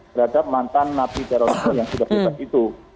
terhadap mantan nafi terorisme yang sudah bebas itu